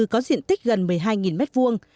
có diện tích gần một mươi hai mét vuông